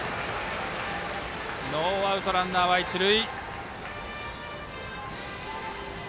ノーアウトランナーは一塁。